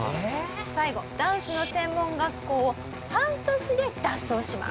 最後ダンスの専門学校を半年で脱走します。